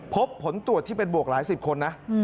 พบผลตรวจที่เป็นบวกหลายสิบคนนะ